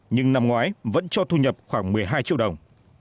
nhưng năm ngoái vẫn cho thu nhập khoảng một mươi hai triệu đồng